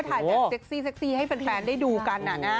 ถ่ายแบบเซ็กซี่ให้แฟนได้ดูกัน